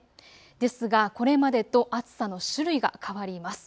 ですがこれまでと暑さの種類が変わります。